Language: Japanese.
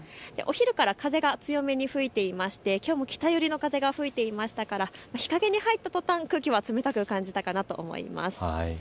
お昼から風が強めに吹いていまして、きょうも北寄りの風が吹いていましたから日陰に入ったとたん空気が冷たく感じたかなと思います。